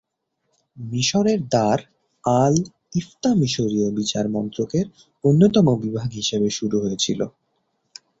মিশরের দার আল-ইফতা মিশরীয় বিচার মন্ত্রকের অন্যতম বিভাগ হিসাবে শুরু হয়েছিল।